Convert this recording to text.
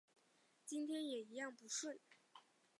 今天也一样不顺